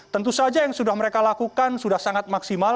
tentu saja yang sudah mereka lakukan sudah sangat maksimal